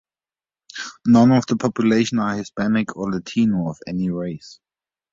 None of the population are Hispanic or Latino of any race.